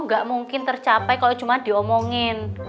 nggak mungkin tercapai kalau cuma diomongin